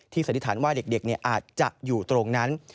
สันนิษฐานว่าเด็กอาจจะอยู่ตรงนั้น